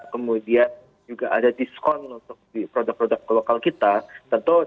kemudian juga ada diskon untuk di produk produk lokal kita